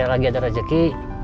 saya lagi ada rezeki